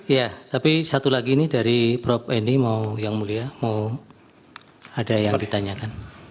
ya tapi satu lagi ini dari prof eni mau yang mulia mau ada yang ditanyakan